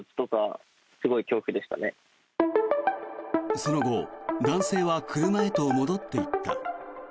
その後、男性は車へと戻っていった。